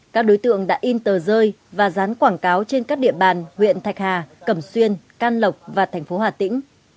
các đối tượng đã in tờ rơi và dán quảng cáo trên các địa bàn huyện thạch hà cẩm xuyên can lộc và thành phố hà tĩnh